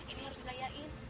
ini harus dirayain